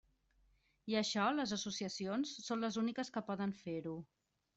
I això les associacions són les úniques que poden fer-ho.